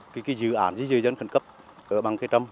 cái dự án di rời dân khẩn cấp ở bằng cây trâm